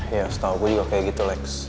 ya setahu gue juga kayak gitu lex